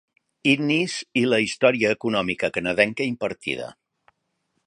Innis i la història econòmica canadenca impartida.